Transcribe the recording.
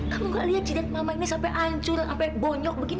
kamu gak lihat cidet mama ini sampai hancur sampai bonyok begini